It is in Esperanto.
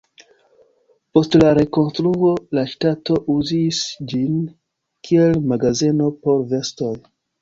Post la rekonstruo la ŝtato uzis ĝin, kiel magazeno por vestoj.